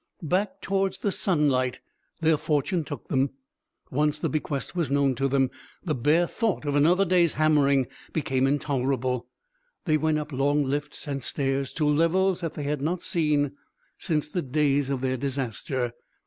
Back towards the sunlight their fortune took them; once the bequest was known to them, the bare thought of another day's hammering became intolerable. They went up long lifts and stairs to levels that they had not seen since the days of their disaster.